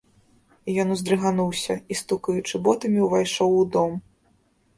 Ён уздрыгануўся і стукаючы ботамі ўвайшоў у дом.